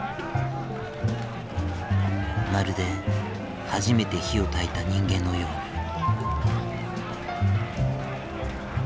まるで初めて火を焚いた人間のように。